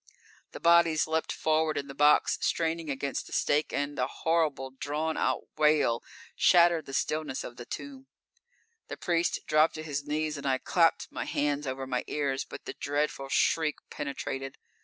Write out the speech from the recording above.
The bodies leapt forward in the box, straining against the stake, and a horrible, drawn out wail shattered the stillness of the tomb. The priest dropped to his knees and I clapped my hands over my ears, but the dreadful shriek penetrated.